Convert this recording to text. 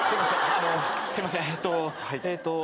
あのうすいませんえっとえっと。